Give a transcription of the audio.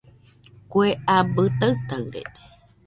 Kue abɨ taɨtaɨrede